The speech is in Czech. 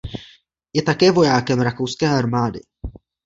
Je také vojákem rakouské armády.